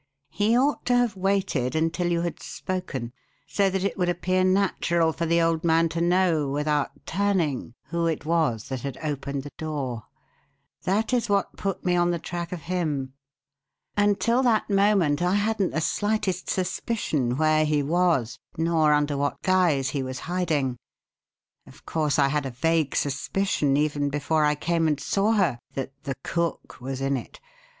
He ought to have waited until you had spoken, so that it would appear natural for the old man to know, without turning, who it was that had opened the door. That is what put me on the track of him. Until that moment I hadn't the slightest suspicion where he was nor under what guise he was hiding. Of course I had a vague suspicion, even before I came and saw her, that 'the cook' was in it.